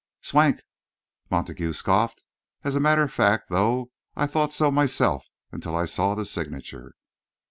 '" "Swank," Montague scoffed. "As a matter of fact, though, I thought so myself until I saw the signature."